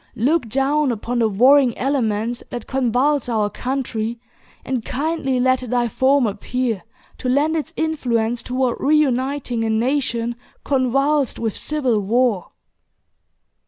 look down upon the warring elements that convulse our country, and kindly let thy form appear, to lend its influence toward re uniting a nation convulsed with civil war!"